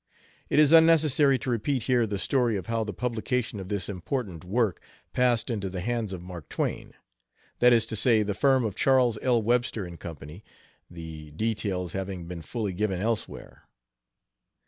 It is unnecessary to repeat here the story of how the publication of this important work passed into the hands of Mark Twain; that is to say, the firm of Charles L. Webster & Co., the details having been fully given elsewhere.